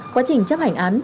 quá trình chấp hành án